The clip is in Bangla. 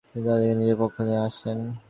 তিনি তাদেরকে নিজের পক্ষে নিয়ে আসেন।